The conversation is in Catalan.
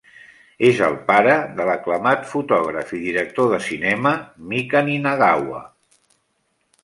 És el pare de l'aclamat fotògraf i director de cinema Mika Ninagawa.